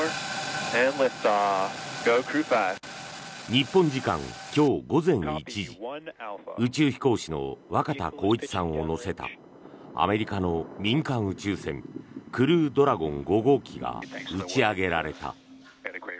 日本時間強午前１時宇宙飛行士の若田光一さんを乗せたアメリカの民間宇宙船クルードラゴン５号機が打ち上げられた。